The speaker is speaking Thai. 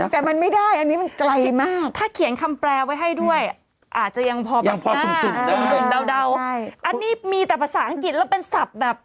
แต่มันไม่ได้อันนี้มันไกลมากถ้าเขียนคำแปลไว้ให้ด้วยอาจจะยังพอแบบสุ่มเดาอันนี้มีแต่ภาษาอังกฤษแล้วเป็นศัพท์แบบ